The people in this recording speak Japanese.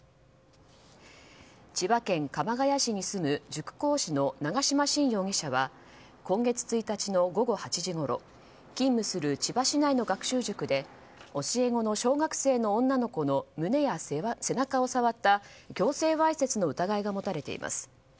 千葉県鎌ケ谷市に住む塾講師の長島新容疑者は今月１日の午後８時ごろ勤務する千葉市内の学習塾で教え子の小学生の女の子の胸や背中を触った強制わいせつの疑いが持たれています。